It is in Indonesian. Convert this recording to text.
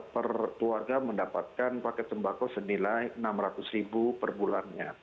per keluarga mendapatkan paket sembako senilai rp enam ratus per bulannya